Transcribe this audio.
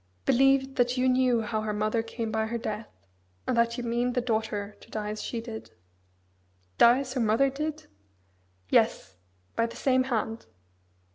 "Believe that you knew how her mother came by her death; and that you mean the daughter to die as she did." "Die as her mother did?" "Yes! by the same hand!"